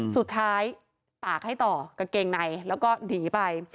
ตากให้ต่อกางเกงในแล้วก็หนีไป